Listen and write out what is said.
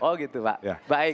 oh gitu pak